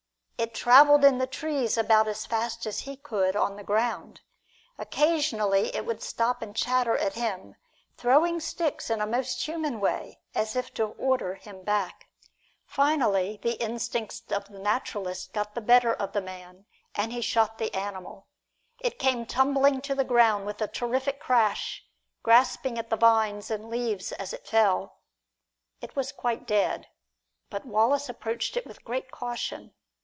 It traveled in the trees about as fast as he could on the ground. Occasionally it would stop and chatter at him, throwing sticks in a most human way, as if to order him back. Finally, the instincts of the naturalist got the better of the man, and he shot the animal. It came tumbling to the ground with a terrific crash, grasping at the vines and leaves as it fell. It was quite dead, but Wallace approached it with great caution.